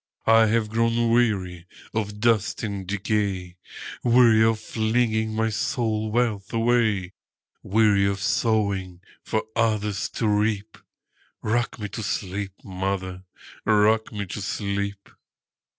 I have grown weary of dust and decay,—Weary of flinging my soul wealth away; Weary of sowing for others to reap;—Rock me to sleep, mother,—rock me to sleep!